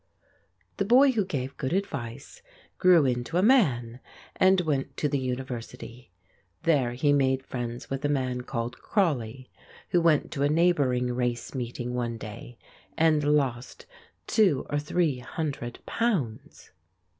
The boy who gave good advice grew into a man and went to the university. There he made friends with a man called Crawley, who went to a neighbouring race meeting one day and lost two or three hundred pounds.